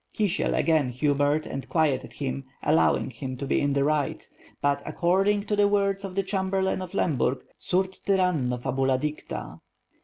Kisiel again humored and quieted him, allowing him to be in the right; but, according to the words of the Chamberlain of Lemburg, "surd tyranno fabula dicta."